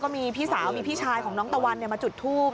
มีพี่สาวมีพี่ชายของน้องตะวันมาจุดทูบ